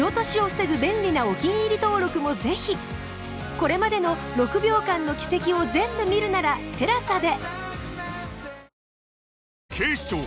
これまでの『６秒間の軌跡』を全部見るなら ＴＥＬＡＳＡ で